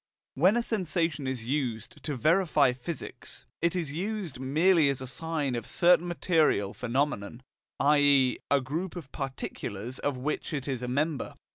When a sensation is used to verify physics, it is used merely as a sign of a certain material phenomenon, i.e. of a group of particulars of which it is a member.